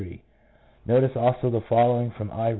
Snell), p. 53. Notice also the following from I.